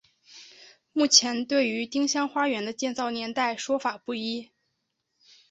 目前对于丁香花园的建造年代说法不一。